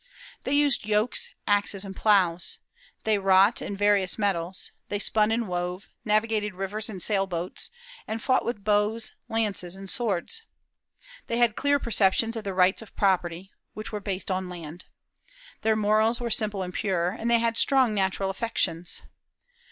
They used yokes, axes, and ploughs. They wrought in various metals; they spun and wove, navigated rivers in sailboats, and fought with bows, lances, and swords. They had clear perceptions of the rights of property, which were based on land. Their morals were simple and pure, and they had strong natural affections.